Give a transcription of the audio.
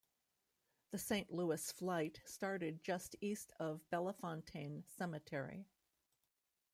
The Saint Louis flight started just east of Bellefontaine Cemetery.